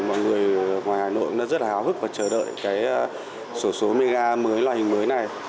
mọi người ngoài hà nội cũng rất là hào hức và chờ đợi cái sổ số mega mới loại hình mới này